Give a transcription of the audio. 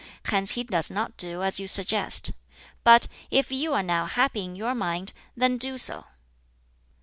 Hence he does not do as you suggest. But if you are now happy in your mind, then do so."